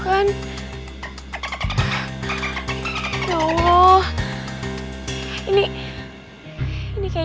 kita burung ikut